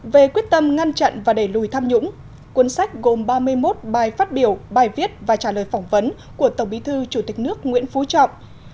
về quyết tâm ngăn chặn và đẩy lùi tham nhũng cuốn sách gồm ba mươi một bài phát biểu bài viết và trả lời phỏng vấn của tổng bí thư chủ tịch nước nguyễn phú trọng